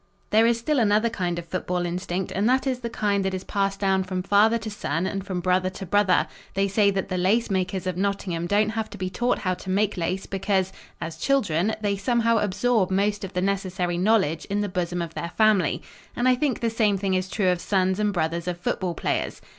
There is still another kind of football instinct, and that is the kind that is passed down from father to son and from brother to brother. They say that the lacemakers of Nottingham don't have to be taught how to make lace because, as children, they somehow absorb most of the necessary knowledge in the bosom of their family, and I think the same thing is true of sons and brothers of football players.